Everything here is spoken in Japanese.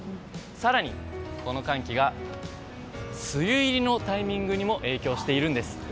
更に、この寒気が梅雨入りのタイミングにも影響しているんです。